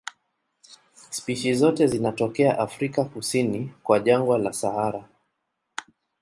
Spishi zote zinatokea Afrika kusini kwa jangwa la Sahara.